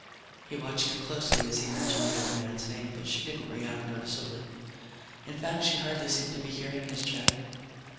He watched her closely as he mentioned the other man's name, but she didn't react noticeably. In fact, she hardly seemed to be hearing his chatter.